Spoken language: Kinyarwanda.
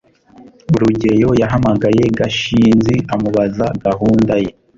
rugeyo yahamagaye gashinzi amubaza gahunda ye